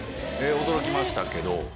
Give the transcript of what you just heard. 驚きましたけど。